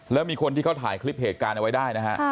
แล้วมีคนที่เขาถ่ายคลิปเหตุการณ์เอาไว้ได้นะฮะ